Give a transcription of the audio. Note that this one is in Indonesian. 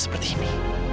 ulu pergiga akan objeknya